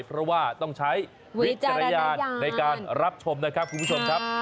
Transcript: เพราะว่าต้องใช้วิจารณญาณในการรับชมนะครับคุณผู้ชมครับ